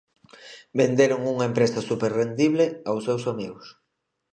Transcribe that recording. Venderon unha empresa superrendible aos seus amigos.